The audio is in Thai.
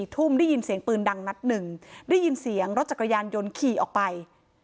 ทุ่มได้ยินเสียงปืนดังนัดหนึ่งได้ยินเสียงรถจักรยานยนต์ขี่ออกไป